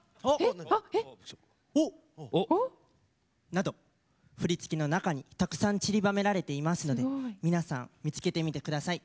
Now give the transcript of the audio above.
なんと振り付けの中にたくさんちりばめられていますので皆さん、見つけてみてください。